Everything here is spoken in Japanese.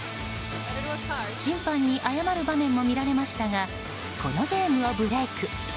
審判に謝る場面も見られましたがこのゲームをブレーク。